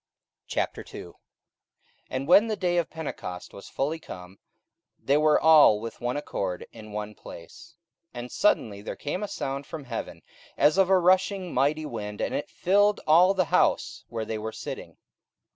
44:002:001 And when the day of Pentecost was fully come, they were all with one accord in one place. 44:002:002 And suddenly there came a sound from heaven as of a rushing mighty wind, and it filled all the house where they were sitting.